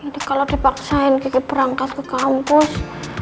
ini kalau dipaksain kiki perangkas ke kampus